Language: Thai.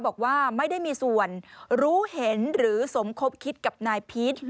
บอกว่าไม่ได้มีส่วนรู้เห็นหรือสมคบคิดกับนายพีช